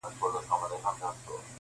o د موبايل ټول تصويرونهيېدلېپاتهسي,